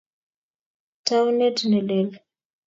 Taunet nelel